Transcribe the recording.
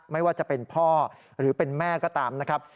ไม่ว่าจะเป็นพ่อหรือเป็นแม่ก็ตามนะครับ